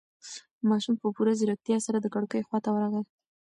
ماشوم په پوره ځيرکتیا سره د کړکۍ خواته ورغی.